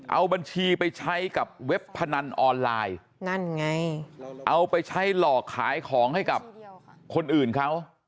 เอาบัญชีไปใช้กับเว็บพนันออนไลน์นั่นไงเอาไปใช้หลอกขายของให้กับคนอื่นเขา